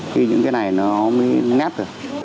khi những cái này nó mới nét được